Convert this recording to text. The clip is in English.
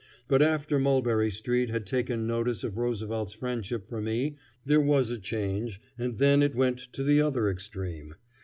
But after Mulberry Street had taken notice of Roosevelt's friendship for me there was a change, and then it went to the other extreme.